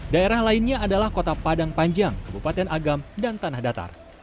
daerah lainnya adalah kota padang panjang kebupaten agam dan tanah datar